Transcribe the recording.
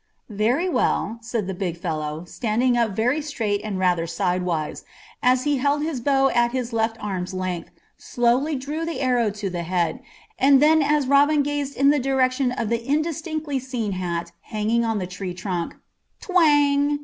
"Very well," said the big fellow, standing up very straight and rather sidewise, as he held his bow at his left arm's length, slowly drew the arrow to the head, and then as Robin gazed in the direction of the indistinctly seen hat hanging on the tree trunk Twang!